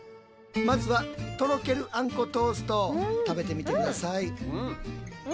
まずはとろけるあんこトースト食べてみて下さい。